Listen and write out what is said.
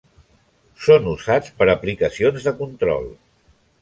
Són usats per aplicacions de control.